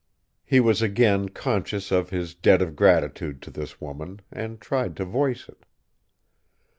He was again conscious of his debt of gratitude to this woman, and tried to voice it.